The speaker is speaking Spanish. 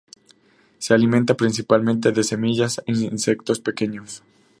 Se alimenta principalmente de semillas e insectos pequeños.